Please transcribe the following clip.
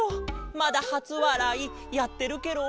まだはつわらいやってるケロ？